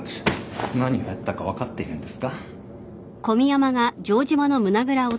何をやったか分かっているんですか。